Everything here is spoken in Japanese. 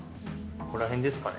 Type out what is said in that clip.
ここら辺ですかね。